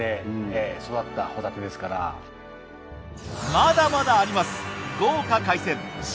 まだまだあります。